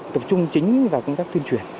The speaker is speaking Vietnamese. tập trung chính vào công tác tuyên truyền